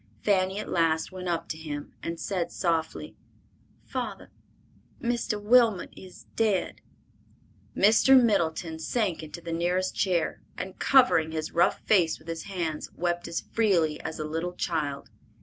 Fanny at last went up to him and said softly, "Father, Mr. Wilmot is dead!" Mr. Middleton sank into the nearest chair, and covering his rough face with his hands, wept as freely as a little child.